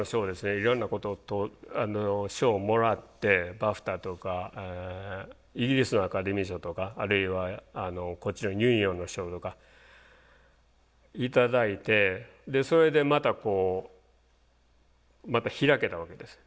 いろんな賞をもらってＢＡＦＴＡとかイギリスのアカデミー賞とかあるいはこっちのＵＮＩＯＮの賞とか頂いてそれでまたこうまた開けたわけです。